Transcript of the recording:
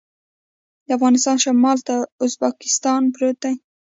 د افغانستان شمال ته ازبکستان پروت دی